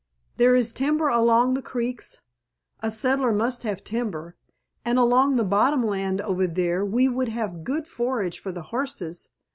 There is timber along the creeks—a settler must have timber—and along the bottom land over there we would have good forage for the horses.